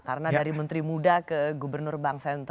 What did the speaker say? karena dari menteri muda ke gubernur bank sentral